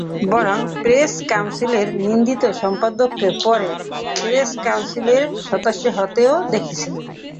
বরং প্রেস কাউন্সিলে নিন্দিত সম্পাদককে পরে প্রেস কাউন্সিলের সদস্য হতেও দেখেছি।